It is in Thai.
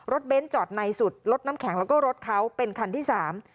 เบ้นจอดในสุดรถน้ำแข็งแล้วก็รถเขาเป็นคันที่สาม